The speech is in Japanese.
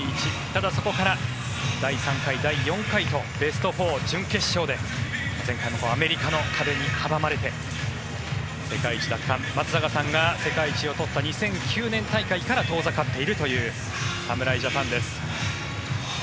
ただ、そこから第３回、第４回とベスト４、準決勝でアメリカの壁に阻まれて世界一奪還松坂さんが世界一を取った２００９年大会から遠ざかっているという侍ジャパンです。